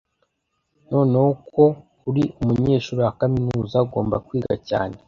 Noneho ko uri umunyeshuri wa kaminuza, ugomba kwiga cyane.